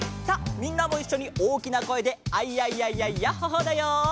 みんなもいっしょにおおきなこえで「アイヤイヤイヤイヤッホー・ホー」だよ。